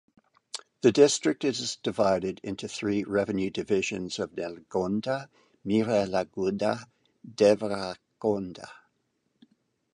The district is divided into three revenue divisions of Nalgonda, Miryalaguda, Devarakonda.